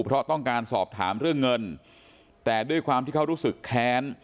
เพราะต้องการสอบถามเรื่องเงินแต่ด้วยความที่เขารู้สึกแค้น